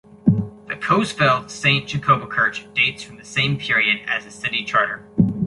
The Coesfeld Saint Jacobikirche dates from the same period as the city charter.